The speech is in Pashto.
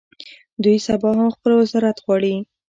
دوی سبا هم خپل وزارت غواړي.